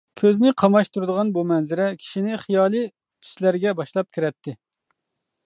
كۆزنى قاماشتۇرىدىغان بۇ مەنزىرە كىشىنى خىيالىي تۈسلەرگە باشلاپ كىرەتتى.